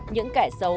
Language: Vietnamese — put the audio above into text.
những kẻ xấu